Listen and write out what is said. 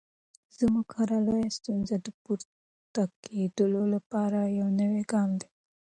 زموږ هره لویه ستونزه د پورته کېدو لپاره یو نوی ګام دی.